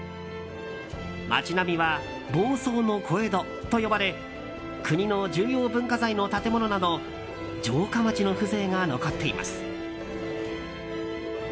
町並みは房総の小江戸と呼ばれ国の重要文化財の建物など城下町の風情が残っています。